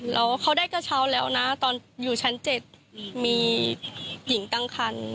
แล้วเขาได้กระเช้าแล้วนะตอนอยู่ชั้น๗มีหญิงตั้งคัน